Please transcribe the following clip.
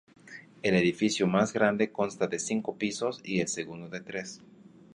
El edificio más grande consta de cinco pisos y el segundo de tres.